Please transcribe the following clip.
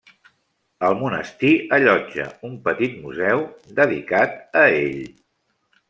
El monestir allotja un petit museu dedicat a ell.